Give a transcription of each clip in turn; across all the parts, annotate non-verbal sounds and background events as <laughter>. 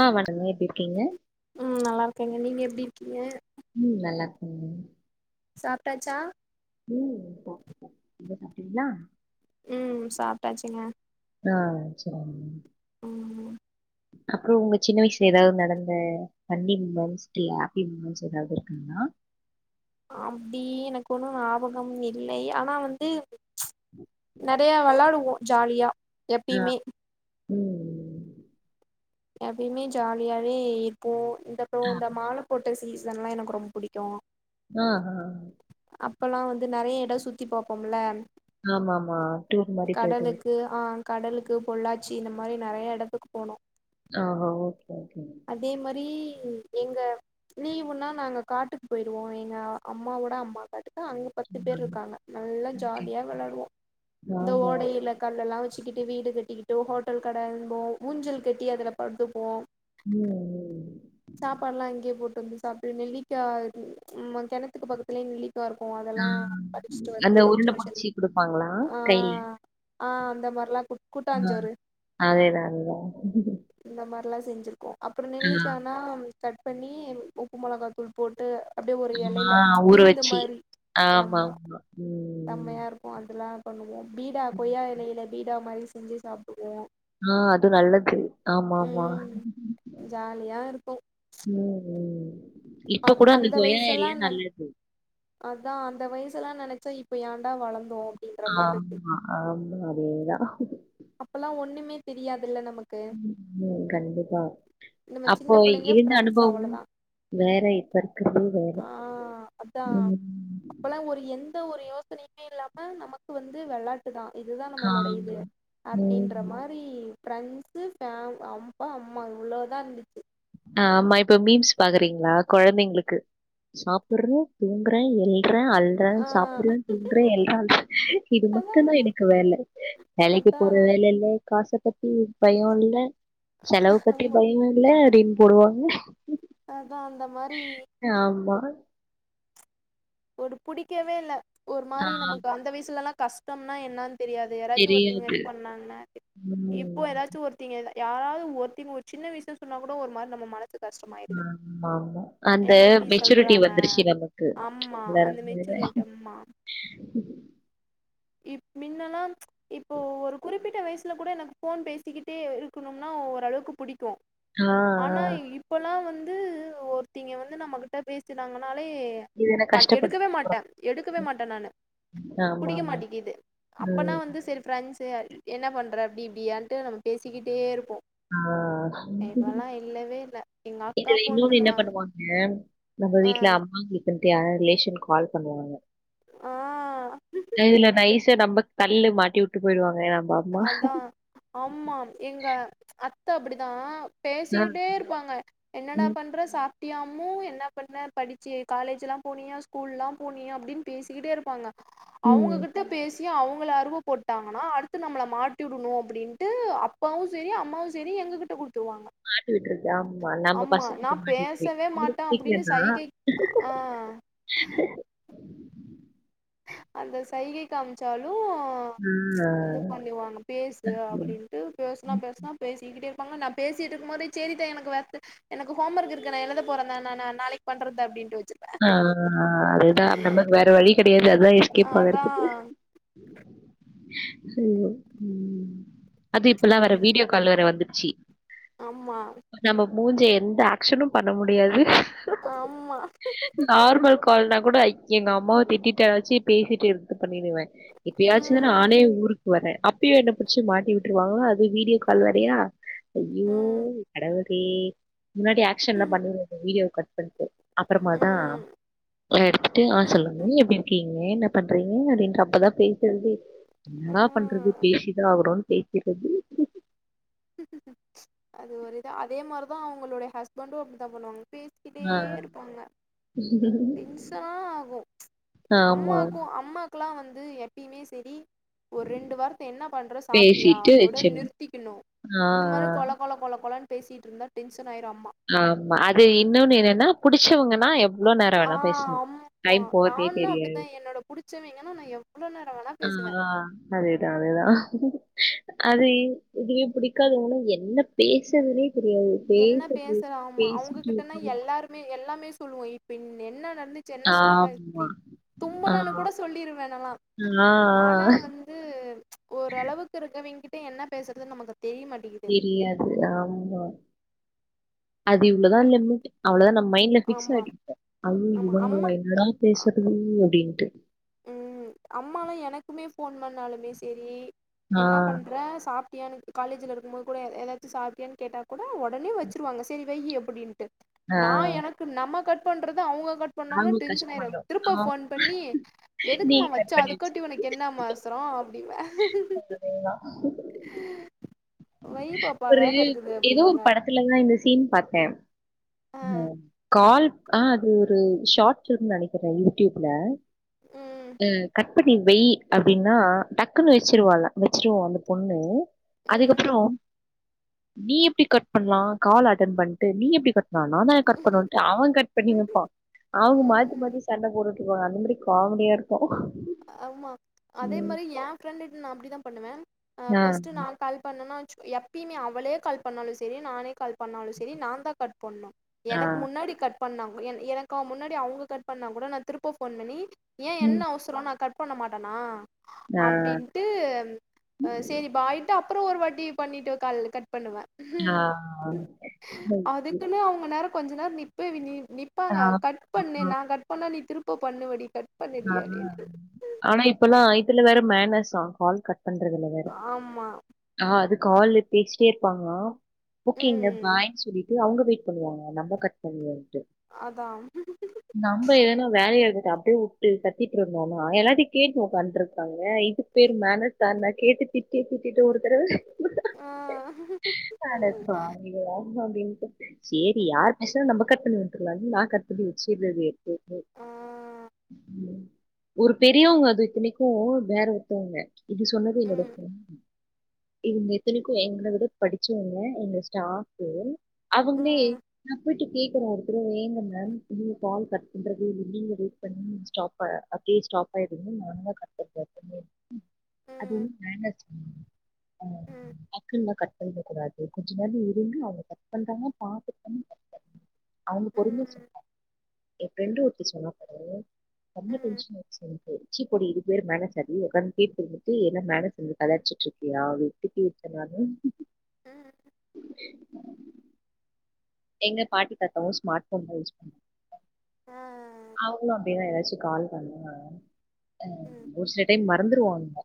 ஆஹ் வணங்க எப்டி இருக்கீங்க ம் நல்லாயிருக்கேங்க நீங்கள் எப்டி இருக்கீங்க உம் நல்லாருக்கேன் சாப்டாச்சா உம் இம்ப சாப்பிட்டீங்களா ம் சாப்டாச்சுங்க ஆஹ் சரி ம் அப்புறம் உங்க சின்ன வயசுல ஏதாவது நடந்த ஃபண்னி மூமெண்ட்ஸ் ஹாப்பி மூமெண்ட்ஸ் ஏதாவது இருக்குன்னா அப்டி எனக்கு ஒன்னும் ஞாபகம் இல்லை ஆனா வந்து நிறைய விளாடுவோம் ஜாலியா ஆஹ் எப்பயுமே உம் எப்பயுமே ஜாலியாவே இருப்போம் இந்த அப்புறொ ஆ இந்த மால போட் ட்டு சீசன் எல்லாம் எனக்கு ரொம்ப பிடிக்கும் ஆஹா அப்பல்லாம் வந்து நறைய எடம் சுத்தி பாப்போம்ல ஆமா ஆமா அப்டி ஒரு மாரி போய்ட்டு து ஆ கடலுக்கு பொள்ளாச்சி இந்த மாரி நறையா எடத்துக்கு போனோம் ஆஹா ஓகே ஓகேங்க அதே மாரி எங்க நீ ஒன்னா நாங்க காட்டுக்கு போயிடுவோம் எங்க அம்மாவோட அம்மா காட்டுக்க அங்க பத்து பேர் ம் இருக்காங்க நல்லா ஓகே ஜாலியா விளாடுவோம் இந்த ஆமா ஓடையில கல்லெல்லாம் வச்சுக்கிட்டு வீடு கட்டிக்கிட்டு ஹோட்டல் கடன்போம் ஊஞ்சல் கட்டி அதுல படுத்துப்போம் உம் உம் சாப்பாட்ல்லாம் இங்கேயே போட்டு வந்து சாப்ட்டு நெல்லிக்காய ம் கெணத்துக்கு பக்கத்துலயே நெல்லிக் கா இருக்கும் ஆ அதெல்லாம் படிச்சுட்டு அந்த வந்து உருண்ட சின்ன சின்ன புடிச்சி குடுப்பாங்களா ஆ கைல ஆ அந்த மாரிலாம் கு ஆ அதேதா அதேதா இந்த மாரிலாம் செஞ்சிருக்கோம் அப்புறம் ஆ நெல்லிக்கானா கட் பண்ணி உப்பு மொளகா தூள் போட்டு அப்டியே ஒரு எலையில ஆ ஊற விருந்து வச்சு மாரி ஆமா ஆமா உம் செம்மையா இருக்கும் அதெல்லாம் பண்ணுவோம் பீடா கொய்யா இலையில பீடா மாரி செஞ்சு சாப்டுவோம் ஆ அது நல்லது ஆமா ஆமா ம் ஜாலியா இருக்கு ம் இப்ப அது கூட அந்த கொய்யா எலையே நல்லது அதான் அந்த வயசுல்லாம் நனைச்சா இப்போ ஏண்டா வளந்தோம் ஆமா ஆமா அதேதா அப்போல்லாம் ஒன்னுமே தெரியாதுல்ல நமக் ம் கண்டிப்பா நம்ம அப்போ சின்ன பிள்ளைங்க இருந்த ஃப்ரெண்ட்ஸ் அனுபவம் அவ்ளோதா வேற இப்ப இருக்கிறது வேற உம் அப்பல்லாம் ஒரு எந்த ஒரு யோசனையுமே இல்லாம நமக்கு வந்து விளாட் இதுதா இதுதா நம்மளோடைய ஆமா. இது அப்டின்ற ம். மாரி மாரி ப்ரெண்ட்ஸ் ஃபேம் அப்பா அம்மா இவ்வளோதான் இருந்துச்சு ஆமா இப்போ மீம்ஸ் பாக்குறீங்களா கொழந்தைங்களுக்கு சாப்புறே தூங்குறே எழ்றே அழ்றே ஆ சாப்புறே துன்றே எழ்றே இது அதா மட்டும்தா எனக்கு வேல வேலைக்கு அதா போற வேல இல்ல காச பத்தி பயோ இல்ல செலவு பத்தி ஆமா பயோ இல்ல அப்டின் போடுவாங்க அதா அந்த மாரி ஆமா ஒடு புடிக்கவே இல்ல ஒரு ஆ மாரி நமக்கு அந்த வயசுலலாம் கஷ்டம்னா என்னன் தெரியாது யாராச்சு ஒருத்தி இங்க தெரியாது இருந்து பண்ணாங்கனா இப்போ ம் ஏதாச்சு ஒருத் திங்க யாராது ஒருத்திங்க ஒரு சின்ன விஷயம் சொன்னா கூட ஒரு மாரி நம மனசுக் ஆமா ஆமா அந்த இப்டி மெச்சூரிட்டி சொல்றாங்க வந்துருச்சு நமக் கு ஆமா அந்த எல்லாருமே மெச்சூரிட்டி ஆமா இப் மின்னெல்லாம் இப்போ ஒரு குறிப்பிட்ட வயசுல கூட எனக்கு ஃபோன் பேசிக்கிட்டே இருக்கணும்னா ஓரளவுக்கு பிடிக்கும் ஆ ஆ ஆனா இப்பல்லாம் வந்து ஒருத்திங்க வந்து நம்ம கிட்ட பேசினாங்கனாலே இது என்ன பட் கஷ்டப்படுத்த எடுக்கவே மாட்டா போறாங்க எடுக்கவே மாட்ட நானு புடிக்க ஆமாமா மாட்டேகி து அப்பனா ம் வந் செரி பிரெண்ட்ஸ் என்ன பண்ற அப்டி இப்படியான்ட்டு நம்ம பேசிக்கிட்டே இருப்போ ஆ இப்பலா இல்லவே இல்ல எங்கக்கா போன் பண்ணுவா ஏ நம்ம ஆ வீட்ல அம்மாங்களப் பத்தி யா ரிலேஷன் கால் பண்ணுவாங்க ஆ இதுல நைசா நம்ம தல்ல மாட்டி உட்டு போயிடுவாங்க ஏ யாம்பாப் அதா ஆமா எங்க அத்த அப்படிதா ஆ பேசிக்கிட்டே இருப்பாங்க என்னடா ம் பண்ற சாப் டி அம்மு என்ன பண்ண படிச்சியே காலேஜ்லா போனியா ஸ்கூல்லா போனியா அப்படின்னு பேசிக்கிட்டே இருப்பாங்க ம் அவங்ககிட்ட பேசியே அவங்கள அருவ போட்டாங்கன்னா அடுத் நம்மள மாட்டி உடணு அப்படின்ட்டு அப்பாவு செரி அம்மாவு செரி எங்ககிட்ட குடுத்துருவாங்க மாட்டி விட்டு இருக்கு ஆமா நம்ம ஆமா நா பசங்கிட்ட மாட்டிட்டு பேசவே உங்களுக்கு மாட்டே அப்டின்னு தெரியாதா சைகை ஆ அ <inaudible> அந்த சைகை காமிச்சாலு ஆ இது பண்ணுவாங்க பேசு அப்படின்னு பேசலா பேசலா பேசிக்கிட்டே இருப்பாங்க நா பேசிட்டு இருக்கும் போது செரித்த எனக்கு வெ எனக்கு ஹோம் ஒர்க் இருக்கு நா எழுத போறேத நா நா நாளைக்கு பண்றப்பா அப்படினு வச்சிடுவ ஆ அதுதா நமக்கு வேற வழி கெடையாது அதுதா எஸ்கேப் அதா ஆகறதுக்கு ம் அது இப்பல்லா வேற வீடியோ காலற வந்துச்சி ஆமா நம்ம மூஞ்ச எந்த ஆக்ஷ்னும் பண்ண முடியாது ஆமா நார்மல் கால்னா கூட எங்க அம்மாவ திட்டிடா ஆச்சி பேசிட்டுந் இது பண்ணிடுவே இப்பயாச்சு ம் நானே ஊருக்கு வரே அப்பயு என்ன புடிச்சு மாட்டி விட்டுருவாங்களா அது வீடியோ கால் வரையா ஐயோ ம் கடவுளே இந்த வாட்டி ஆக்ஷ்ன்லா பண்ணிருந்த வீடியோ கட் பண்ணிட்டு அப்பறமாதா ம் எல்லா எடுத்துட்டு ஆ சொல்லுங்க எப்டி இருக்கீங்க என்ன பண்றீங்க அப்படின்ற அப்பதா பேசறதே என்னா பண்றது ம் பேசிதா ஆகனு பேசிறது அது ஒரு இதா அதே மாற்தா அவங்களோட ஹஸ்பண்டு அப்படித்தா பண்ணுவாங்க பே பேசிட்டே இருப்பாங்க ம் டென்சனா ஆகு ஆமா அம்மாக்கு அம்மாக்குல்லா வந்து எப்பயுமே செரி ஒரு ரெண்டு வார்த்த என்ன பண்ற சாப்ட்டியா பேசிட்டு அதோட வச்சிர்னு நிறுத்திக்கணு ஆ இந்த மாறி ஆ கொழ கொழ கொழ கொழனு பேசிட்டு இருந்தா டென்சன் ஆயிரு அம்மா ஆமா அது இன்னொன்னு என்னன்னா புடிச்சவங்கன்னா எவ்ளோ நேரம் அ வேணா ஆ பேசலாம். அம் மா டைம் போறதே நானு தெரியாது. அப்டிதா என்னோட புடிச்சவங்கன்னா நா எவ்வளோ நேரோ வேணா பேசுவே அதேதா அதேதா அது இ இதுவே புடிக்காதவங்கன்னா என்ன பேசுவேனே தெரியாது என்ன பேசுறது பேசுற ஆமா பேசிட்டு அவுங்ககிட்டனா இருப்பாங்க. எல்லாருமே எல்லாமே சொல்லுவோ இப்ப இன் என்ன நடந்து ச்சு என்ன சொல்லுங்க இப்டி ஆமா. ஆ. தும்முனேனு கூட சொல்லிருவே நாலா ஆ, ஆ. ஆனா வந் து ஓரளவுக்கு இருக்கவிங்கிட்ட என்ன பேசுறதுன்னு நமக்கு தெரியமாட்டிக் தெரியாது ஆமா அது இவ்வளோதா லிமிட் அவ்வளோதா நம் மைண்ட்ல ஃபிக்ஸ் ஆமா ஆயி ஐயோ ஆமா இவங்களா அம்மா ஆ என்னடா பேசறது அப்டின்ட்டு ம் அம்மாலா எனக்குமே ஃபோன் பண்ணாலுமே செரி ஆ, என்னா பண்ற சாப் டியு எனக்கு காலேஜில இருக்கமோது கூட எ எதாச்சி சாப்ட்டியானு கேட்டா கூட ஒடனே வச்சிருவாங்க செரி வையு அப்டின்ட்டு ஆ. நா எனக்கு நம்ம கட் பண்றது அவுங்க கட் பண்ணாங்கனா ஆமா டென்ஷன் ஆயிருவே கஷ்டமாயிடும். ஆ. திரும்ப ஃபோன் பண்ணி எதுக்குமா நீங்க வச்ச கட் பண்ணி அதுக்காட்டி வச்சுருங்க. ஒனக்கு என்னமா அவசரோ அப்டின்பே இங்க செரிங்கிளா வை பாப்பா ஒரு வேல ரீல் இருக்குது எதோ ஒரு அப்டிம்பாங்க படத் துல தா இந்த சீன் பாத்தே ஆ ம் கால் ஆ அது ஒரு ஷாட்ஸ்னு நெனக்கிறே யூடியூப்ல ம் ஆ கட் பண்ணி வெய் அப்டின்னா டக்குன்னு வச்சிருவால்ல வெச்சிரு அந்த பொண்ணு ம் அதுக்கப்புறோ நீ எப்டி கட் பண்ணலா கால் அட்டன் பண்ட்டு நீ எப்டி கட் நாந்தான கட் பண்ணனுன்ட்டு அவன் கட் பண்ணி வப்பான் அவுங்க மாத்தி ம் மாத்தி சண்ட போட்டுட்டு ஓ அந்த மேரி காமெடியா இருக்கும் ஆமா ம். அதேமாரி ஏ ஃப்ரெண்ட்டுட்ட நா அப்டிதா பண்ணுவே ஆ ஃபஸ்ட்டு நா கால் பண்ணனா வச்சிக்கோ எப்பயுமே அவளே கால் பண்ணாலு செரி நானே கால் பண்ணாலு செரி நான்தா கட் பண்ணணு ஆ எனக்கு முன்னாடி கட் பண்ண அவுங்க என் எனக்கு அவ முன்னாடி அவுங்க கட் பண்ணா கூட நா திருப்ப ஃபோன் பண்ணி ஏ ம் கொசரோ நா கட் பண்ண மாட்டனா ஆ அப்டி ட்டு ஆ செரி பாயின்ட்டு அப்புறோ ஒரு வாட்டி பண்ணிட்டோ கால் கட் பண்ணுவ ஆ அதுக்குன்னு அவுங்க நேர கொஞ்ச நேரோ நிப்பேவி நி ஆ நிப்பாங்க கட் பண்ணு ஆ நா கட் பண்ணா நீ திருப்ப பண்ணுவடி கட் ஆ பண்ணுடி அப்டின் ஆனா இப்பல்லா இதுல வேற மேனஸ்ஸா கால் கட் பண்றதுல வேற ஆமா ஆ அது காலு பேசிட்டே இருப்பாங்கலா ஓக்கேங்க ம் பாயின் சொல்லி ட்டு அவுங்க வெயிட் பண்ணுவாங்களா நம்ப கட் பண்ணுவோன்ட்டு அதா நம்ப எதனா வேலையா இருக்கட்டு அப்டே உட் ட்டு கத்திட்டு இருந்தோனா எல்லாத்தையு கேட்டு ஒக்காந்துட்டுருக்காங்க இதுக்கு பேரு மேனஸா இருந்தா கேட்டு திட் கேட்டு கேட்டு ஒரு தடவ ஆ உட்ட அட பாவிகளா அப்டின்ட்டு சேரி யார் பேசனா நம்ப ரெகாட் பண்ண வே எல்லாத்தையு நா கட் பண்ணி வச்சிடுவே எப்பயுமே ஆ ஒரு பெரியவங்க அது இத்தனைக்கும் வேற ஒருத்தவங்க இப்டி சொன்னது என்னோட ம் ஃபிரண்டு இவங்க இத்தனைக்கும் எங்கள விட படிச்சவங்க எங்க ஸ்டாஃபு ம் அவுங்களே ம் நா போயிட்டு கேக்கற ஒரு தடவ ஏங்க மேம் நீங்க கால் கட் பண்றது நீங்க பண்ணி ஸ்டாப்ப அப்டியே ஸ்டாப் ஆயிடுது நாந்தா கட் பண்ணு எப்பயுமே அது வந்து ம் மேனஸ் இல்லங்க ஆ டக்குன்லாம் கட் செய்க கூடாது கொஞ்ச நேரம் இருந்து அவங்க கட் பண்றாங்கலான் பாத்துட்டு அவுங்க பொறுமைய ம் சொன்ன என் ஃபிரண்டு ஒருத்தி சொன்னா பாரு ரொம்ப ம் டென்ஷன் ஆச்சி எனக்கு ச்சீ போடி இது பேர் மேனஸாடி உக்காந்து கேட்டு இருந்துட்டு என்ன மேனஸ் வந்து கத அடிச்சிட்டு இருக்கியா திட்டி விட்ட நானு ம் எங்க பாட்டி தாத்தவும் ஸ்மார்ட் ஃபோன்தா யூஸ் பண்ணு ஆ ஆ ஆ அவங்களு அப்டியேதா ஏதாச்சும் கால் பண்ணுவாங்க அ ம் ஒரு சில டைம் மறந்துருவாங்க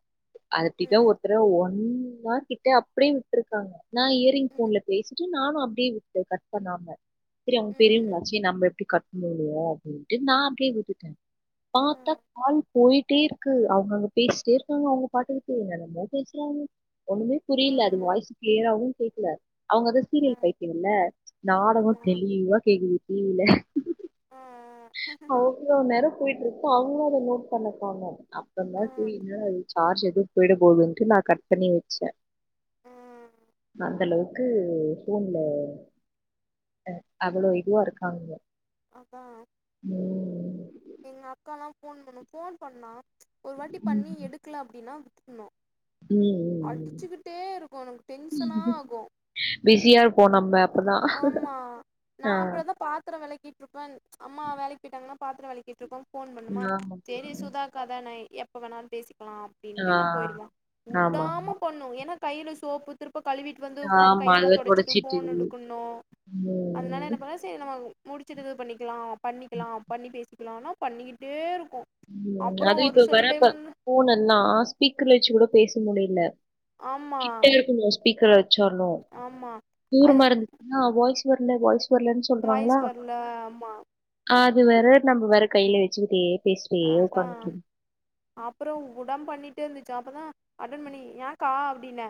அத அப்டிதா ம் ஒருத்தர ஒன் ஹவர் கிட்ட அப்டியே விட்டுருக்காங்க நா இயரிங் ம் போன்ல பேசிட்டு நானு அப்டியே விட்டுட கட் பண்ணாம செரி அவங்க ம் பெரியங்களாச்சி நம்ம எப்டி கட் முடியு நா அப்டியே விட்டுட்டே ஆ பாத்தா கால் போயிட்டே இருக்கு அவங்க அங்க பேசிட்டே இருக்காங்க அவங்க பாட்டுக்கிட்டு என்ன என்னமோ பேசறாங்க ஒண்ணுமே ஆ புரியல அது வாய்ஸ் கிளியராவு கேக்கல அவங்கதா ஆ சீரியல் பைத்தியோ இல்ல நாடகோ அதா தெளிவா கேக்குது டிவில ஆ அவ்ளோ நேரோ போயிட்டு இருக்கு அவங்களு அத நோட் பண்ணக்கானு அப்புறந்தா ஆ செரி என்னடா இது சார்ஜ எதுவு போயிட போதுன்ட்டு நா கட் பண்ணி வெச்சே ஆ அந்த அளவுக்கு போன்ல அவளோ இதுவா இருக்காங்க அதா ம் எங்க அக்காலா போன் பண்ணு போன் பண்ணா ஒரு வாட்டி ம் பண்ணி ம் எடுக்கல அப்டின்னா விட்றனு ம் ம் அடுச்சுக்கிட்டே இருக்கு எனக்கு டென்ஷனா ஆகு பிஸியா இருப்போ நம்ம அப்பதா ஆமா நா ஆ அப்போனாதா பாத்தரோ வெளக்கிட் இருப்பன் அம்மா வேலைக் போய்ட்டாங்கன்னா பாத்திரோ வெளக்கிட்டு இருப்ப போன் பண்ணுமா ஆமா செரி சுதா அக்கா தானே எப்ப வேணாலும் பேசிக்கலா ஆ அப்டின்ட்டு நா போயிடுவ ஆமா உடாம பண்ணு ஏனா கையில சோப்பு திருப்ப கழுவிட்டு வந்து போன் ஆமா கையெல்லா அதுவே தொடைச்சிட்டு தொடச்சிட்டு போன் எடுக்கனு அதனால ம் என்ன பண்ண சரி நம்ம முடிச்சட்டு இது பண்ணிக்கலா பண்ணிக்கலா பண்ணி பேசிக்கலானா பண்ணிக்கிட்டே இருக்கு ம் அப்றோ அதுவு ஒரு இப்ப சில வரப்ப டைம் போன் எல்லா ஸ்பீக்கர்ல வெச்சு கூட பேச முடியல ஆமா கிட்ட இருக்கணு ஸ்பீக்கர் வெச்சாலு ஆமா அது தூரமா இருந்துச்சுன்னா வாய்ஸ் வர்ல வாய்ஸ் வர்ல சொ வாய்ஸ் வர்ல ஆமா அது வேற நம்ம வேற கையில வெச்சுக்கிட்டே அதா அப்புறம் உடாம் பண்ணிட்டே இருந்துச்சி அப்பதா அட்டன் பண்ணி ஏ கா அப்டின்ன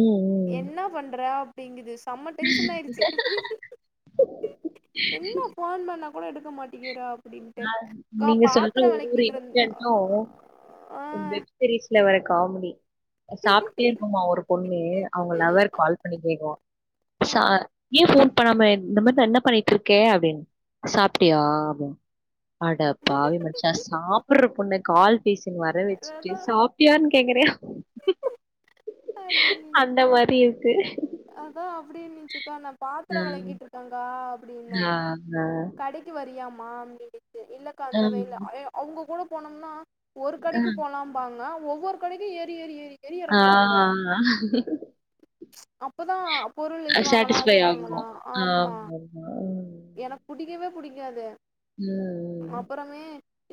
ம், ம். என்ன பண்ற அப்டிங்குது செம்ம டென்ஷன் ஆயிடுச்சி என்ன போன் பண்ணா கூட எடுக்க மாட்டிங்கிறா ஆ நீங்க சொல்ற ஒருவ்வொரு இருந்த இன்சிடென்ட்டு ஆ வந்து சீரிஸ் வற காமெடி சாப்ட்டே இருக்குமா ஒரு பொண்ணு அவங்க லவ்வர் கால் பண்ணி கேக்குவா ஆ சா ஏ போன் இப்ப நம்ம இந்த மாரி என்ன பண்ணிட்டு இருக்கே அப்டின்னு சாப்ட்டியா அப்டின் அட பாவி மனுஷா சாப்பிற்ற பொண்ண கால் பீச வர வெச்சுட்டு அததா அப்டின்னு சாப்ட்டியான்னு கேக்குறியா அந் இந்த மாரி இருக்கு அதா அப்டின்னுச்சுகா நா பாத்தரோ ம். வெளகிட்டு இருக்கேங்கா அப்டின்னே ஆஹ. கடைக் கடைக்கு வரியியாமா அப்பின்னுட்டு இல்லக்கா ஆ, அந்த வேல அவங்க கூட போனோம்னா ஒரு ஆ, கடைக்கு போலாம்பாாங்க ஒவ்வொரு கடைக்கு ஏறி ஏறி ஏறி ஏறி ஆ இறக்குவாங்க அப்பதா பொருள் இது வாங்கலா அது வாங்கலா ஆமா அ, ம் எனக்கு புடிக்கவே புடிக்காது ம் ம். அப்புறமே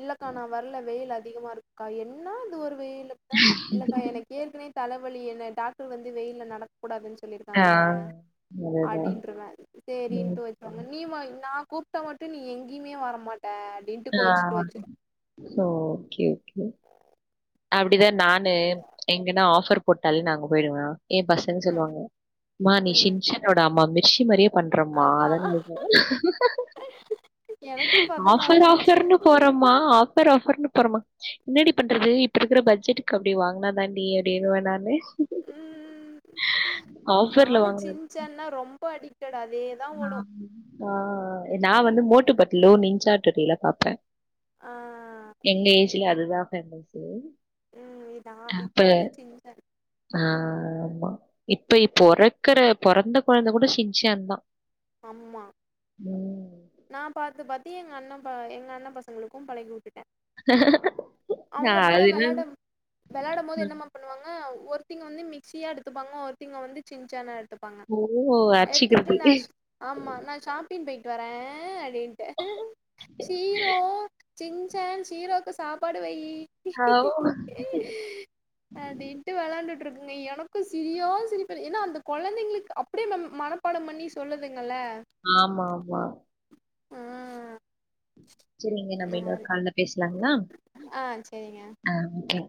இல்லக்கா நா வரல வெயில் அதிகமா இருக்குக்கா என்ன அது ஒரு வெயிலு த இல்லக்கா எனக்கு ஏற்கனவே தலவலி என்ன டாக்டர் வந்து வெயில்ல நட கூடாதுன்னு ஆ. சொல்லிருக்காங்க அதுதான். அப்டின்ருவே ம். சேரின்ட்டு வச்சிருவாங் நீயு வா நா கூப்ட்டா மட்டு நீ எங்கேயுமே வரமாட்ட அப்படின்ட்டு ஆ கோச்சிட்டு வச்சிரு சோ ஓகே ஓகே ஆ அப்டிதா நானு எங்கன்னா ஆஃபர் போட்டாலே நா அங்க போயிடுவ ஏ பச ங்க சொல்லுவாங்க மா நீ ம் சின்சான் ஓட அம்மா மிஸ்சி மாரியே பண்றம்மா அதா அதான் நீனு எனக்கு இப்ப அதா ஞாபக ஆஃபர் வந்துச்சு ஆஃபர்ன்னு போறம்மா ஆ ஃபர் ஆஃபர்னு போறம்மா என்னாடி பண்றது இப் பட்ஜெட்டுக்கு அப்டி வாங்குனாதான்டி அப்டின்னுவ நானு ம் ஆஃபர்ல நானு வாங்குனது. சின்சான்னா ரொம்ப அடிக்ட்டடு அதே நானு ஆ ஆ நா வந்து மோட்டு பட்டுலு நிஞ்சா ஹட்டோரிலா பாப்பே ஆ எங்க ஏஜ்ல அதுதா ஃபேமஸ் ம், இதா இப்போ வந்து சின்சான் ஆ ஆமா இப்ப பொறக்கற பொறந்த கொழந்த கூட சின்சான்தா ஆமா ம் நா பாத்து பாத்து எங்க அண்ண ப எங்க அண்ண பசங்களுக்கு பழகி விட்டுட்ட அவங்க அது அப்டிதா வெளாட என்னன்னு வெளாடும்போது என்னமா பண்ணுவாங்க ஒருத்திங்க வந்து மிஸ்சியா எடுத்துப்பாங்க ஒருத்திங்க வந்து சின்சானா எடுத்துப் பாங்க ஓ எடுத்துக்கிட்டு அடிச்சுக்கிறது. நா ஆமா நா ஷாப்பிங் போயிட்டு வரே அப்டின்ட்டு ஷீரோ சின்சான் ஷீரோக்கு சாப்பாடு வையி அ, ஓ அப்டின்ட்டு வெளாண்டுட்டு இருக்குங்க எனக்கு சிரியா சிரிப்ப ஏன்னா அந்த கொழந்தைங்களுக்கு அப் அப்டி இந்த மனப்பாட பண்ணி சொல்லுதுங்கல்ல ஆமா மா ஆ செரிங்க அந்த நம்ம இன்னொரு மாரி கால்ல பேசலாங்ளா ஆ சேரிங்க அ ஓகே